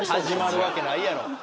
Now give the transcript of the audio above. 始まるわけないやろ。